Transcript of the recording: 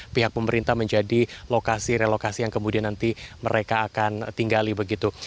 pihak pemerintah menjadi lokasi relokasi yang kemudian nanti mereka akan tinggali begitu